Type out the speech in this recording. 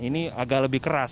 ini agak lebih keras